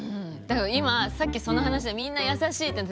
だけど今さっきその話でみんな「優しい」って。